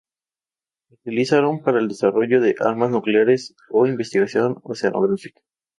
Se utilizaron para el desarrollo de armas nucleares o investigación oceanográfica.